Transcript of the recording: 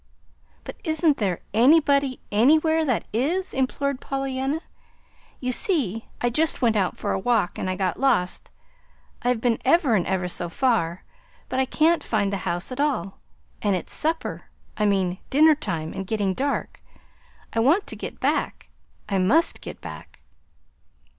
"But isn't there anybody anywhere that is?" implored Pollyanna. "You see, I just went out for a walk and I got lost. I've been ever and ever so far, but I can't find the house at all; and it's supper I mean dinner time and getting dark. I want to get back. I MUST get back."